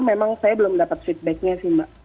memang saya belum dapat feedbacknya sih mbak